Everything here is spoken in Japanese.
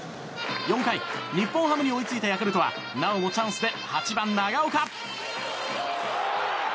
４回、日本ハムに追いついたヤクルトはなおもチャンスで８番、長岡。